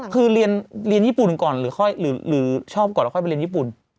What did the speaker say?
คือเรียนญี่ปุ่นก่อนหรือชอบก่อนแล้วค่อยไปเรียนญี่ปุ่น